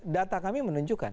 data kami menunjukkan